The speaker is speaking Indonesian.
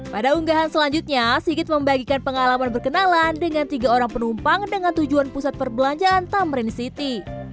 pada unggahan selanjutnya sigit membagikan pengalaman berkenalan dengan tiga orang penumpang dengan tujuan pusat perbelanjaan tamrin city